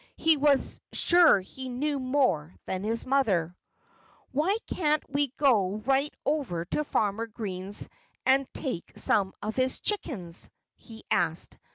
He was sure he knew more than his mother. "Why can't we go right over to Farmer Green's and take some of his chickens?" he asked.